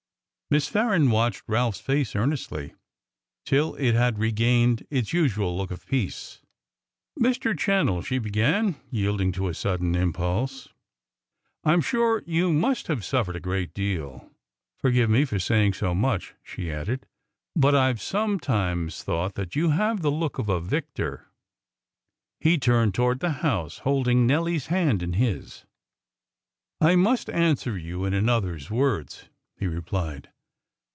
Miss Farren watched Ralph's face earnestly, till it had regained its usual look of peace. "Mr. Channell," she began, yielding to a sudden impulse, "I'm sure you must have suffered a great deal. Forgive me for saying so much," she added, "but I've sometimes thought that you have the look of a victor." He turned towards the house, holding Nelly's hand in his. "I must answer you in another's words," he replied.